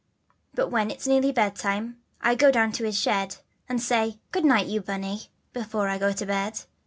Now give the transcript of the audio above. Then when it's nearly bedtime I go down to his shed, And say 'Good night you Bunny' before I go to bed.